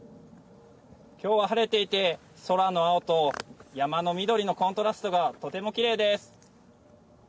きょうは晴れていて空の青と山の緑のコントラストがとてもきれいです。